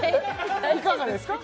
いかがですか？